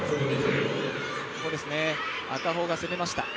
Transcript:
赤穂が攻めました。